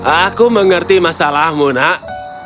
aku mengerti masalahmu nak